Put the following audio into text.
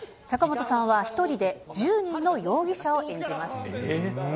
坂本さんは１人で１０人の容疑者を演じます。